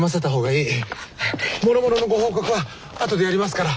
もろもろのご報告はあとでやりますから。